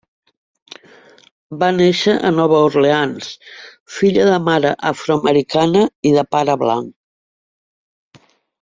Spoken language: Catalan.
Va néixer a Nova Orleans, filla de mare afroamericana i de pare blanc.